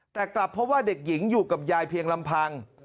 แต่กลับเพราะว่าเด็กหญิงอยู่กับยายเพียงลำพัง